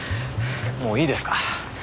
もういいですか？